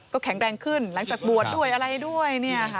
ก็แข็งแรงขึ้นหลังจากบวชด้วยอะไรด้วย